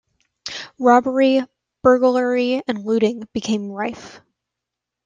Robbery, burglary and looting became rife.